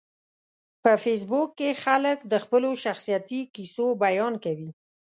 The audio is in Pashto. په فېسبوک کې خلک د خپلو شخصیتي کیسو بیان کوي